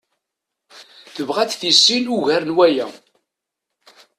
Tebɣa ad t-tissin ugar n waya.